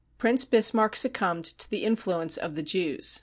... Prince Bismarck succumbed to the influence of the Jews.